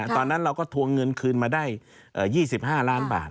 ตอนนั้นเราก็ทวงเงินคืนมาได้๒๕ล้านบาท